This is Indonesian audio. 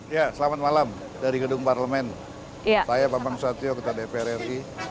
ya selamat malam dari gedung parlemen saya bambang susatyo ketua dpr ri